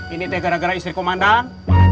ini gara gara istri komandan